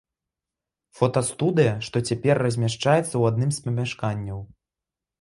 Фотастудыя, што цяпер размяшчаецца ў адным з памяшканняў.